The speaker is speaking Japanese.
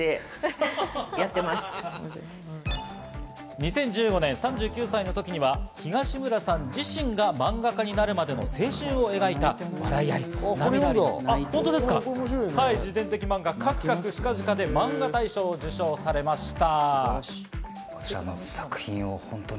２０１５年、３９歳の時には東村さん自身が漫画家になるまでの青春を描いた笑いあり、涙あり、自伝的漫画『かくかくしかじか』で漫画大賞を受賞されました。